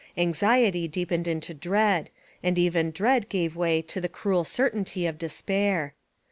Anxiety deepened into dread, and even dread gave way to the cruel certainty of despair.